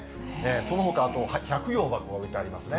そのほかあと百葉箱が置いてありますね。